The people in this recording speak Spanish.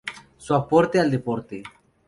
Su aporte al deporte.